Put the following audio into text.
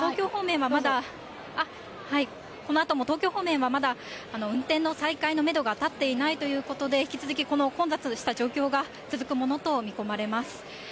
このあとも東京方面はまだ、運転の再開のメドが立っていないということで、引き続きこの混雑した状況が続くものと見込まれます。